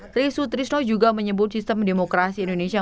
trisut trisno juga menyebut sistem demokrasi indonesia